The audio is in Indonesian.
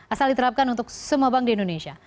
asal diterapkan untuk semua bank di indonesia